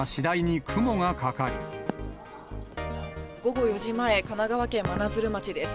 午後４時前、神奈川県真鶴町です。